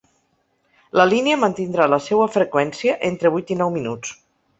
La línia mantindrà la seua freqüència entre vuit i nou minuts.